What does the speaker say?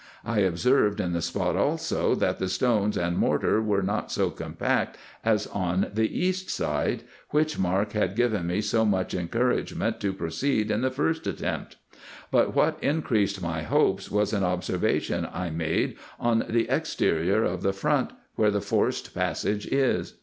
I observed in this spot also, that the stones and mortar were not so compact as on the east side, which mark had given me so much encouragement to proceed in the first attempt ; but what increased my hopes was an observation I made on the exterior of the front where the forced passage is.